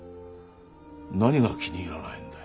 何が気に入らないんだい？